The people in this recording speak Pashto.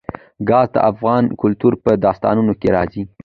ګاز د افغان کلتور په داستانونو کې راځي.